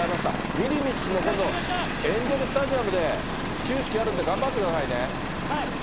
ミニビッシュも今度エンジェルスタジアムで始球式やるんで、頑張はい。